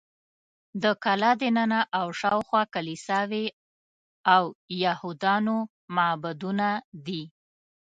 د کلا دننه او شاوخوا کلیساوې او یهودانو معبدونه دي.